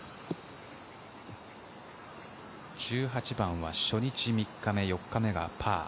１８番は、初日、３日目、４日目がパー。